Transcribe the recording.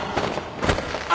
あ。